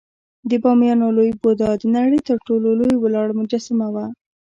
د بامیانو لوی بودا د نړۍ تر ټولو لوی ولاړ مجسمه وه